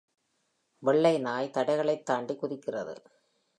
வெள்ளை நாய் தடைகளைத் தாண்டி குதிக்கிறது.